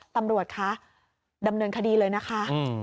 ตำรวจคะดำเนินคดีเลยนะคะ